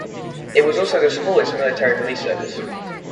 It was also the smallest military police service.